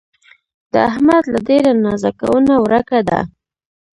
د احمد له ډېره نازه کونه ورکه ده